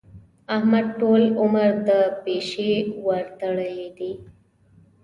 احمد ټول عمر د پيشي ورتړلې دي.